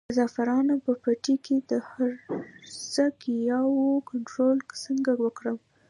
د زعفرانو په پټي کې د هرزه ګیاوو کنټرول څنګه وکړم؟